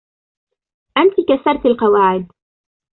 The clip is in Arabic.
أنتِ كسرتِ القواعد.